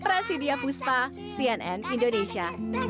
prasidia puspa cnn indonesia